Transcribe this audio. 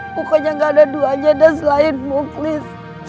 pokoknya tidak ada dua jadas selain muklis